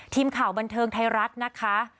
ทีมข่าวบันเทิงไทยรัฐนะคะ